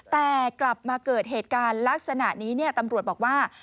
แต่กลับมาเกิดเหตุการณ์ลักษณะนี้ตำรวจบอกว่า